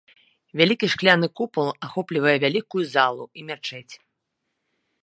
Вялікі шкляны купал ахоплівае вялікую залу і мячэць.